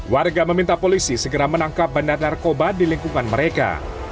warga meminta polisi segera menangkap bandar narkoba di lingkungan mereka